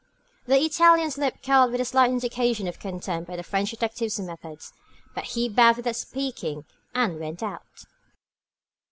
The Italian's lip curled with a slight indication of contempt at the French detective's methods, but he bowed without speaking, and went out.